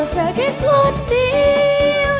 จะเอาเธอแค่กว่าเดี๋ยว